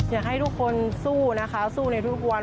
อยากให้ทุกคนสู้นะคะสู้ในทุกวัน